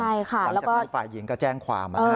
หลังจากนั้นฝ่ายหญิงก็แจ้งความ